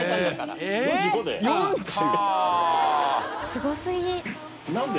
すご過ぎ。